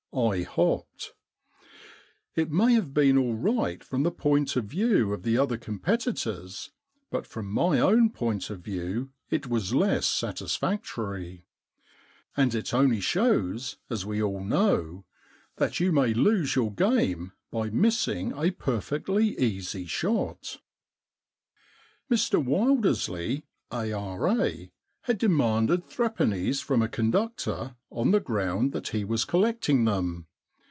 I hopped. It may have been all right from the point of view of the other competitors, but from my own point of view it was less satisfactory. And it only shows, as we all know, that you may lose your game by missing a perfectly easy shot.' Mr Wildersley, A.R.A., had demanded threepennies from a conductor on the ground that he was collecting them.